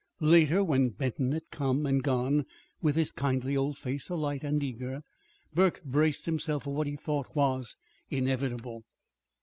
Later, when Benton had come and gone, with his kindly old face alight and eager, Burke braced himself for what he thought was inevitable.